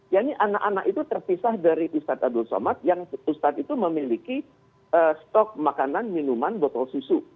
yang ini anak anak itu terpisah dari ustadz abdul somad yang ustadz itu memiliki stok makanan minuman botol susu